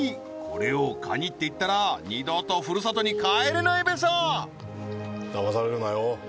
これをカニって言ったら二度とふるさとに帰れないべさだまされるなよ